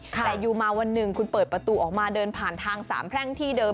แต่อยู่มาวันหนึ่งคุณเปิดประตูออกมาเดินผ่านทางสามแพร่งที่เดิม